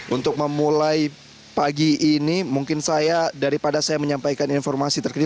untuk memulai pagi ini mungkin saya daripada saya menyampaikan informasi terkini